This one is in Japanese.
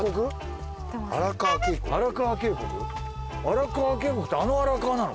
荒川渓谷ってあの荒川なの？